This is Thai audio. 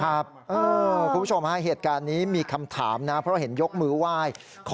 ครับคุณผู้ชมเหตุการณ์นี้มีคำถามนะเพราะเห็นยกมือว่าต้องกลับไปนะครับ